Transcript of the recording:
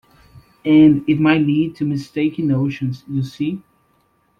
And it might lead to mistaken notions, you see.